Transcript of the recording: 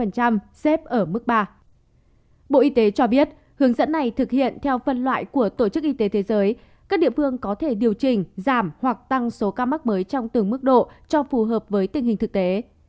bộ y tế cho biết hướng dẫn này thực hiện theo phân loại của tổ chức y tế thế giới các địa phương có thể điều chỉnh giảm hoặc tăng số ca mắc mới trong từng mức độ cho phù hợp với tình hình thực tế